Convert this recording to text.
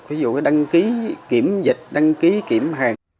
ví dụ đăng ký kiểm dịch đăng ký kiểm hàng